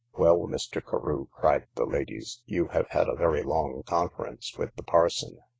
Well, Mr. Carew, cried the ladies, you have had a very long conference with the parson.